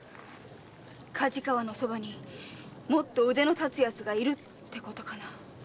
梶川の側にもっと腕の立つ奴がいるってことかな。